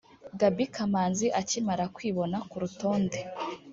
Gaby Kamanzi akimara kwibona ku rutonde